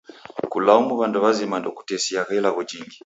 Kulaumu w'andu w'azima ndokutesiagha ilagho jingi.